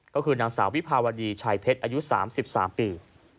ก็คือนางสาววิภาวดีชัยเพชรอายุ๓๓ปี